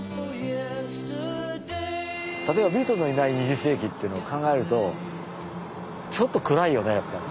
例えばビートルズのいない２０世紀っていうのを考えるとちょっと暗いよねやっぱり。